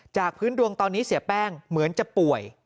พื้นดวงตอนนี้เสียแป้งเหมือนจะป่วย